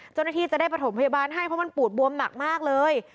เจ้าหน้าที่จะได้ประถมพยาบาลให้เพราะมันปูดบวมหนักมากเลย